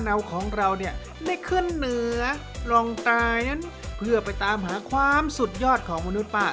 ของเราเนี่ยได้ขึ้นเหนือลองตายนั้นเพื่อไปตามหาความสุดยอดของมนุษย์ป้า